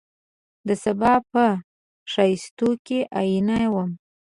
دسبا په ښایستون کي آئینه وم